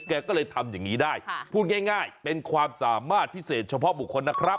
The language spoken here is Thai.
แกก็เลยทำอย่างนี้ได้พูดง่ายเป็นความสามารถพิเศษเฉพาะบุคคลนะครับ